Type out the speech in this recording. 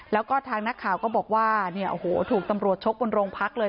แล้วก็ทางนักข่าวก็บอกว่าถูกตำรวจชกกันโรงพักษณ์เลย